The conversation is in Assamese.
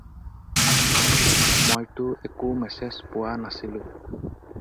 মইতো একো মেছেজ পোৱা নাছিলোঁ।